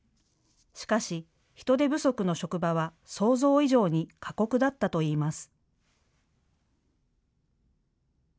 しかし、人手不足の職場は想像以上に過酷だったといいます。